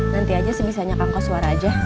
nanti aja sebisanya kang koswara aja